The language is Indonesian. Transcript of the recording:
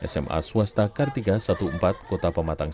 sma swasta kartika satu empat belas kota pematang